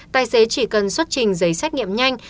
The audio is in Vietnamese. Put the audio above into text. tài xế chỉ cần xuất trình giấy xét nghiệm nhanh